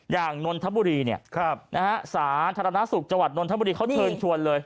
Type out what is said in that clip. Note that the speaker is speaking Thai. อย่างนนทบุรีเนี่ยครับนะฮะสาธารณสุขจังหวัดนนทบุรีเขาเชิญชวนเลย